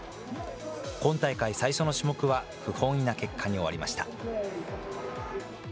今大会最初の種目は不本意な結果に終わりました。